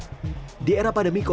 jadi kita harus lebih baik